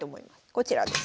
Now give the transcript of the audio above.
こちらです。